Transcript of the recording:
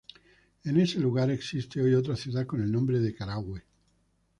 En ese lugar existe hoy otra ciudad con el nombre de Carahue.